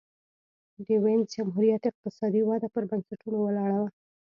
د وینز جمهوریت اقتصادي وده پر بنسټونو ولاړه وه.